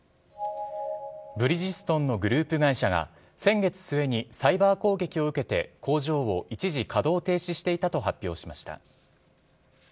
ブリヂストンのグループ会社が先月末にサイバー攻撃を受けて工場を一時稼働停止していたと発表しました。